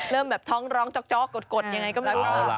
เริ่มแบบท้องร้องจ๊อกกดยังไงก็ไม่รู้